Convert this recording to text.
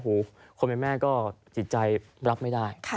โหวคนไบ้แม่ก็จิตใจรักไม่ได้นะครับ